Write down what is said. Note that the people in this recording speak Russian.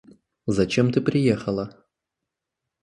Зачем ты приехала?